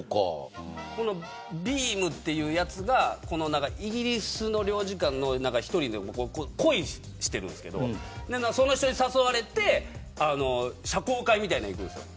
このビームっていうやつがイギリスの領事館の一人と恋をしているんですけどその人に誘われて社交界みたいなのに行くんです。